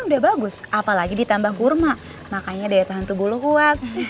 susu steril aja kan udah bagus apalagi ditambah kurma makanya daya tahan tubuh lo kuat